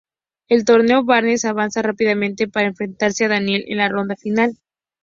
En el torneo, Barnes avanza rápidamente para enfrentarse a Daniel en la ronda final.